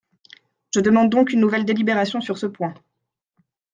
Je demande donc une nouvelle délibération sur ce point.